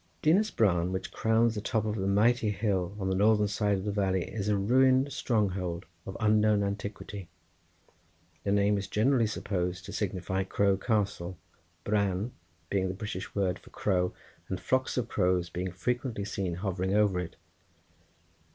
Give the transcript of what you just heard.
Dinas Bran, which crowns the top of the mighty hill on the northern side of the valley, is a ruined stronghold of unknown antiquity. The name is generally supposed to signify Crow Castle, bran being the British word for crow, and flocks of crows being frequently seen hovering over it.